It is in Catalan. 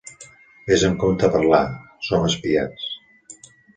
Ves amb compte a parlar: som espiats.